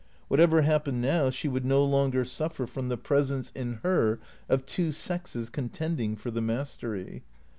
Whatever hap pened now, she would no longer suffer from the presence in her of two sexes contending for the mastery.